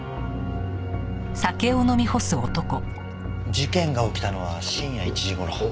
事件が起きたのは深夜１時頃。